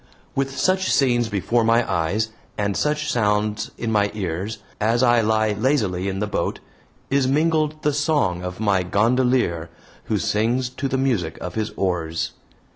With such scenes before my eyes and such sounds in my ears, as I lie lazily in the boat, is mingled the song of my gondolier who sings to the music of his oars.